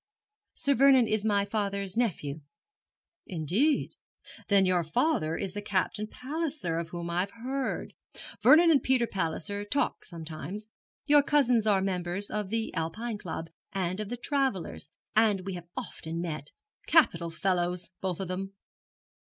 'Sir Vernon is my father's nephew.' 'Indeed! Then your father is the Captain Palliser of whom I've heard Vernon and Peter Palliser talk sometimes. Your cousins are members of the Alpine Club, and of the Travellers', and we have often met. Capital fellows, both of them.'